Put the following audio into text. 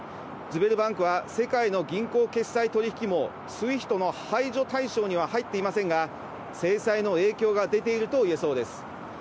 ズベルバンクは世界の銀行決済取引網、ＳＷＩＦＴの排除対象には入っていませんが、制裁の影響が出ているといえそうです。